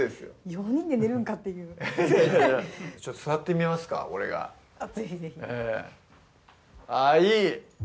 ４人で寝るんかっていうちょっと座ってみますか俺が是非是非あっいい！